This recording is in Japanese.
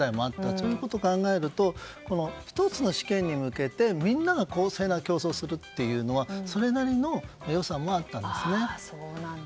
そういうことも考えると１つの試験に向けてみんなが公正な競争をするというのはそれなりの良さもあったんですね。